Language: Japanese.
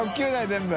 全部。